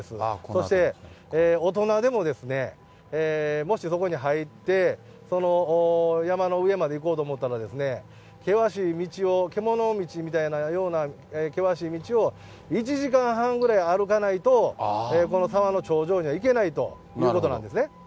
そして、大人でも、もしそこに入って、山の上まで行こうと思ったら、険しい道を、獣道みたいな険しい道を、１時間半ぐらい歩かないと、この沢の頂上には行けないということなんですね。